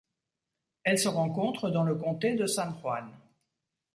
Elle se rencontre dans le comté de San Juan.